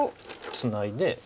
ツナいで。